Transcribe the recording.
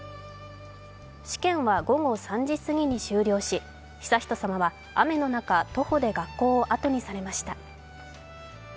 試験は午後３時過ぎに終了し雨の中、徒歩で学校をあとにされました。